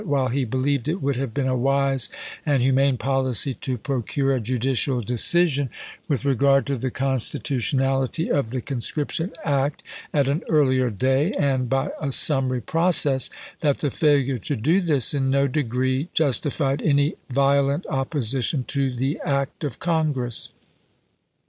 while he believed it would have been a wise and humane policy to procure a judicial decision, with regard to the constitutionality of the Conscription Act, at an earlier day and by a summary process, that the failure to do this in no degree justified any violent opposition to the act of Congress.